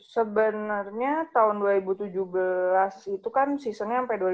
sebenarnya tahun dua ribu tujuh belas itu kan seasonnya sampai dua ribu tujuh belas